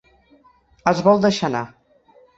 Es vol deixar anar.